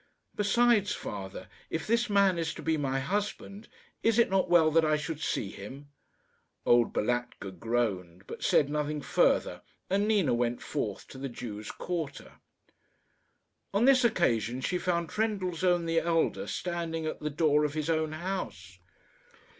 Besides, father, if this man is to be my husband, is it not well that I should see him?" Old Balatka groaned, but said nothing further, and Nina went forth to the Jews' quarter. On this occasion she found Trendellsohn the elder standing at the door of his own house.